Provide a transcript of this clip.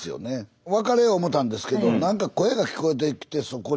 別れよう思ったんですけど何か声が聞こえてきてそこに。